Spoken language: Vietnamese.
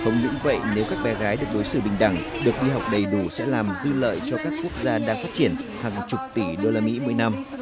những vậy nếu các bé gái được đối xử bình đẳng được đi học đầy đủ sẽ làm dư lợi cho các quốc gia đang phát triển hàng chục tỷ usd một mươi năm